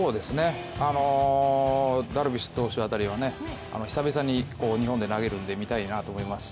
ダルビッシュ投手あたりは久々に日本で投げるんでみたいなのがあると思いますし、